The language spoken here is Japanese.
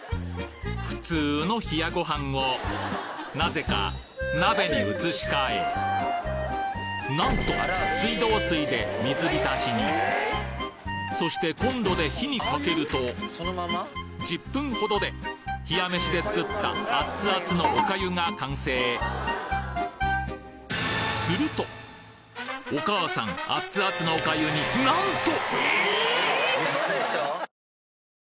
普通の冷ご飯をなぜか鍋に移し替えなんと水道水で水浸しにそしてコンロで火にかけると１０分ほどで冷や飯でつくったアッツアツのおかゆが完成お母さんアッツアツのおかゆになんと！